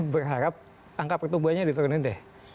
berharap angka pertumbuhannya diturunin deh